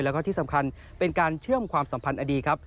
แล้วก็ที่สำคัญเป็นการเชื่อมความสัมพันธ์อดีตครับ